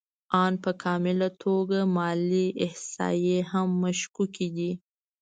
آن په کامله توګه مالي احصایې هم مشکوکې دي